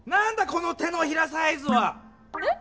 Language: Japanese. この手のひらサイズは！え？